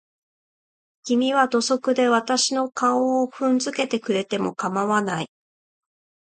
君は土足で私の顔を踏んづけてくれても構わない。